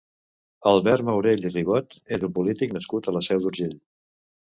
Albert Maurell i Ribot és un polític nascut a la Seu d'Urgell.